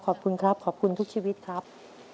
ขอบคุณครับขอบคุณทุกชีวิตครับ